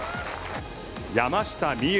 山下美夢